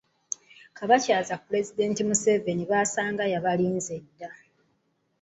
Kabakyaza Pulezidenti Museveni baasanga yabalinze dda.